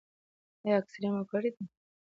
ایا اکسرې مو کړې ده؟